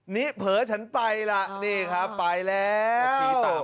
นิเผลอฉันไปล่ะนี่ครับไปแล้ว